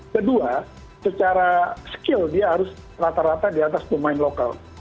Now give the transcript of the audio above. kedua secara skill dia harus rata rata di atas pemain lokal